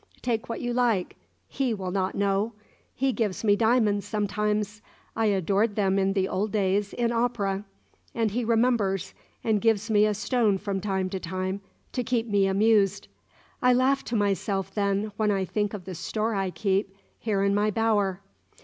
Take what you like he will not know. He gives me diamonds sometimes. I adored them in the old days, in opera. And he remembers and gives me a stone from time to time, to keep me amused. I laugh to myself, then, when I think of the store I keep, here in my bower.